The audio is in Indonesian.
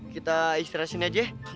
kita istirahat sini aja ya